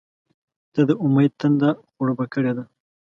• ته د امید تنده خړوبه کړې ده.